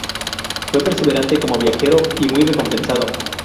Fue perseverante como viajero, y muy recompensado.